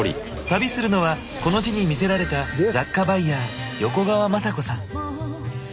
旅するのはこの地に魅せられた雑貨バイヤー横川雅子さん。